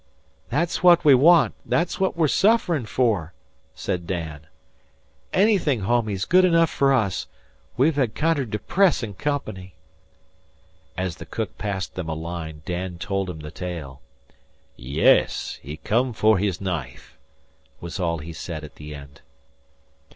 "Thet's what we want. Thet's what we're sufferin' for" said Dan. "Anything homey's good enough fer us. We've had kinder depressin' company." As the cook passed them a line, Dan told him the tale. "Yess! He come for hiss knife," was all he said at the end.